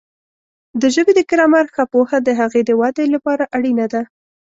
د ژبې د ګرامر ښه پوهه د هغې د وده لپاره اړینه ده.